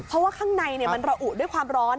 เพราะว่าข้างในมันระอุด้วยความร้อน